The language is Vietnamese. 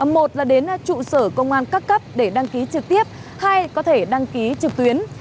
một là đến trụ sở công an các cấp để đăng ký trực tiếp hai có thể đăng ký trực tuyến